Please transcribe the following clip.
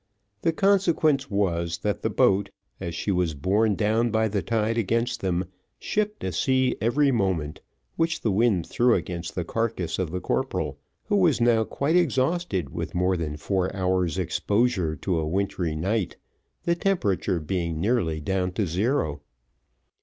The consequence was, that the boat, as she was borne down by the tide against them, shipped a sea every moment, which the wind threw against the carcass of the corporal, who was now quite exhausted with more than four hours' exposure to a wintry night, the temperature being nearly down to zero.